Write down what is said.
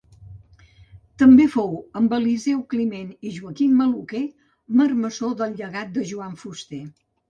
També fou, amb Eliseu Climent i Joaquim Maluquer, marmessor del llegat de Joan Fuster.